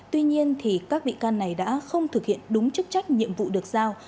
tuy nhiên các bị can này đã không thực hiện đúng chức trách nhiệm vụ được giao